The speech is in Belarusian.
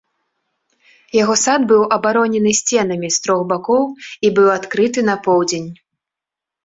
Яго сад быў абаронены сценамі з трох бакоў і быў адкрыты на поўдзень.